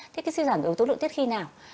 thế cái suy giảm yếu tố nội tiết khi nào